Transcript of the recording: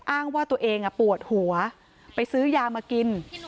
อ้างว่าตัวเองปวดหัวไปซื้อยามากิน